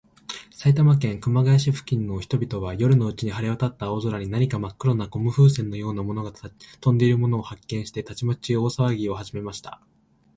埼玉県熊谷市付近の人々は、夜のうちに晴れわたった青空に、何かまっ黒なゴム風船のようなものがとんでいるのを発見して、たちまち大さわぎをはじめました。